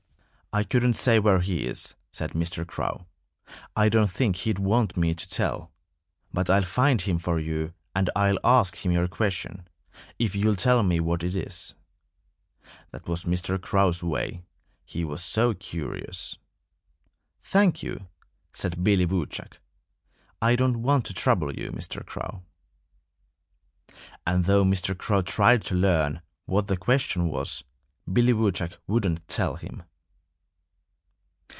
"I couldn't say where he is," said Mr. Crow. "I don't think he'd want me to tell. But I'll find him for you and I'll ask him your question if you'll tell me what it is." That was Mr. Crow's way. He was so curious. "Thank you!" said Billy Woodchuck. "I don't want to trouble you, Mr. Crow." And though Mr. Crow tried to learn what the question was, Billy Woodchuck wouldn't tell him.